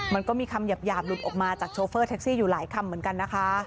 มันก็มีคำหยาบหลุดออกมาจากโชเฟอร์แท็กซี่อยู่หลายคำเหมือนกันนะคะ